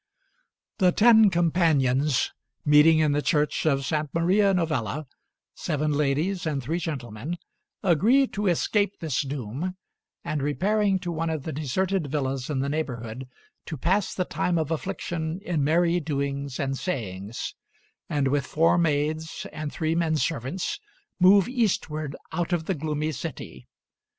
The ten companions, meeting in the church of S. Maria Novella, seven ladies and three gentlemen, agree to escape this doom, and, repairing to one of the deserted villas in the neighborhood, to pass the time of affliction in merry doings and sayings; and with four maids and three men servants, move eastward out of the gloomy city.